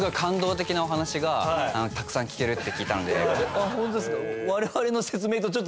あっホントですか？